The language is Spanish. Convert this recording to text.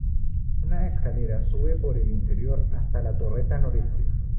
Una escalera sube por el interior hasta la torreta noreste.